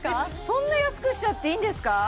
そんな安くしちゃっていいんですか？